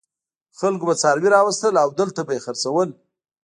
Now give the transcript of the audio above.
خلکو به څاروي راوستل او دلته به یې خرڅول.